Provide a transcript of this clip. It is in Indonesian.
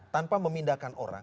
tanpa memindahkan orang